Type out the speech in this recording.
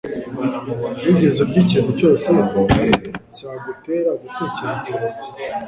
Wigeze urya ikintu cyose cyagutera gutekereza